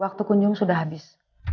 waktu kunjung sudah habis